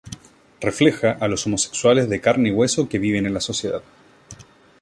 Refleja a los homosexuales de carne y hueso que viven en la sociedad.